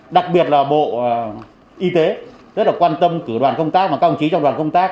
đặc biệt là bộ y tế rất là quan tâm cử đoàn công tác và các ông chí trong đoàn công tác